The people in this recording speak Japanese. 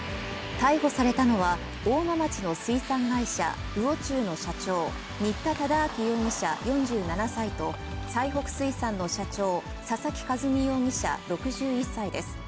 逮捕されたのは、大間町の水産会社、魚忠の社長、新田忠明容疑者４７歳と、最北水産の社長、佐々木一美容疑者６１歳です。